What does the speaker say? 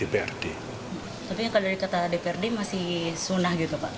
tapi kalau dari kata dprd masih sunnah gitu pak